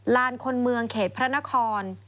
ลานคนเมืองเขตพระนคร